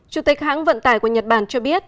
chủ tịch hãng vận tải của nhật bản cho biết